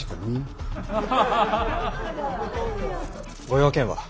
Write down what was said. ご用件は。